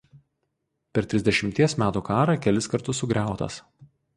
Per Trisdešimties metų karą kelis kartus sugriautas.